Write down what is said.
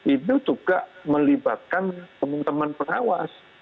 itu juga melibatkan teman teman pengawas